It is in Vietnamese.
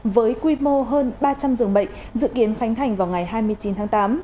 với quy mô hơn ba trăm linh giường bệnh dự kiến khánh thành vào ngày hai mươi chín tháng tám